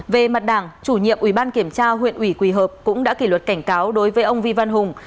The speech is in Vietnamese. về mặt đảng chủ nhiệm ubnd huyện quỳ hợp cũng đã kỷ luật cảnh cáo đối với ông vy văn hùng